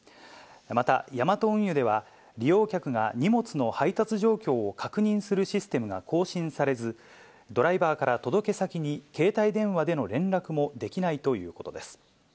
また、ヤマト運輸では、利用客が荷物の配達状況を確認するシステムが更新されず、ドライバーから、届け先に携帯電話での連絡もできないということです。